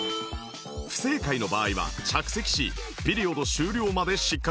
不正解の場合は着席しピリオド終了まで失格に